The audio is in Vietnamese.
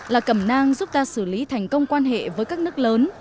là cầm nang giúp ta xử lý thành công quan hệ với các nước lớn